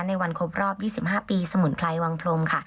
ในวันครบรอบ๒๕ปีสมุนไพรวังพรมค่ะ